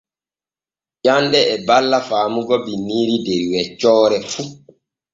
Ƴanɗe e balla faamugo binniiri der weccoore fu.